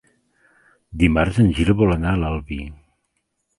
Dimarts en Gil vol anar a l'Albi.